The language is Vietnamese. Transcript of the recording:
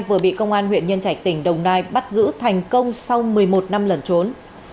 vừa bị công an huyện nhân trạch tỉnh đồng nai bắt giữ thành công sau một mươi một năm lẩn trốn